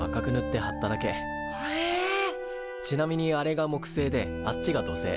ちなみにあれが木星であっちが土星。